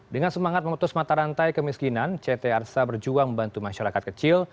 dengan semangat memutus mata rantai kemiskinan ct arsa berjuang membantu masyarakat kecil